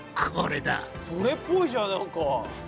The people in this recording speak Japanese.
それっぽいじゃんなんか。